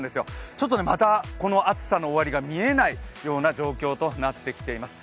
ちょっとまたこの暑さの終わりが見えない状況となってきています。